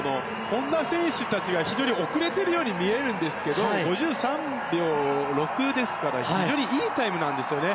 本多選手たちが非常に遅れているように見えるんですけど５３秒６ですから非常にいいタイムなんですよね。